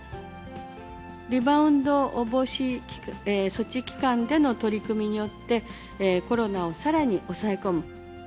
リバウンド防止措置期間での取り組みによって、コロナをさらに抑え込む。